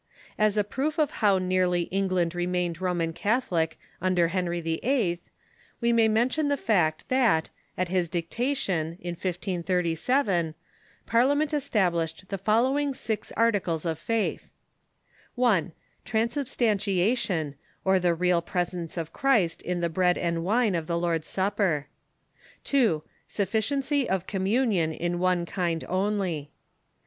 As a proof of how nearly Eng land remained Roman Catholic under Henry VIII., we may mention the fact that, at his dictation, in 1537, Parliament established the followincc six articles of faith : 248 THE KEFORMATION 1. Transubstantiation, or the real presence of Cbrist in the bread and wine of the Lord's Supper. 2. Sufficiency of communion in one kind only.